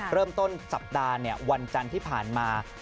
เริ่มต้นสัปดาห์วันจันทร์ที่ผ่านมา